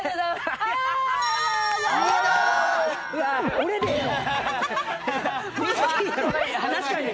俺でええの？